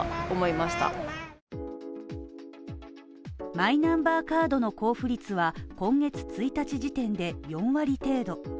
マイナンバーカードの交付率は今月１日時点で４割程度。